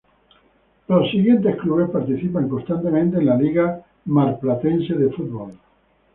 Los siguientes clubes participan constantemente en la Liga Marplatense de Fútbol.